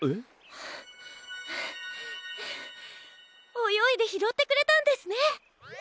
およいでひろってくれたんですね！